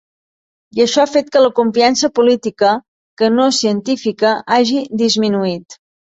I això ha fet que la confiança política, que no científica, hagi disminuït.